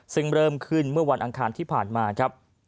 ซึ่งเริ่มขึ้นเมื่อวันอังคารที่ผ่านมาครับ